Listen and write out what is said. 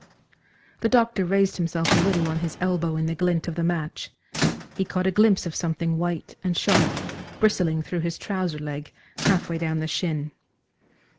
The doctor raised himself a little on his elbow in the glint of the match. He caught a glimpse of something white and sharp bristling through his trouser leg half way down the shin.